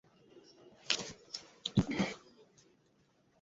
ভালো হবে আগে বাসর করি পরে বিয়ে করি, ঠিক আছে?